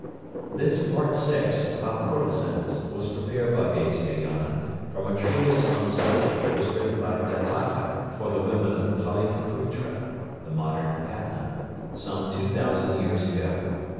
This Part VI., about courtesans, was prepared by Vatsyayana, from a treatise on the subject, that was written by Dattaka, for the women of Pataliputra (the modern Patna), some two thousand years ago.